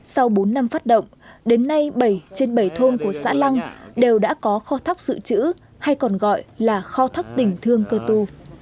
sau bốn năm phát động đến nay bảy trên bảy thôn của xã lăng đều đã có kho thác sự chữ hay còn gọi là kho thác tỉnh thương cơ tu